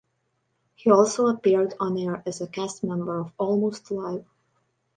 He also appeared on-air as a cast member of Almost Live!